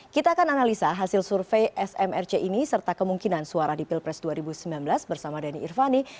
kita akan analisa hasil survei smrc ini serta kemungkinan suara di pilpres dua ribu sembilan belas bersama dhani irvani